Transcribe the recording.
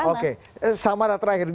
oke sama ada terakhir